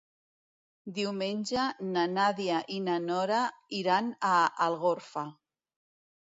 Diumenge na Nàdia i na Nora iran a Algorfa.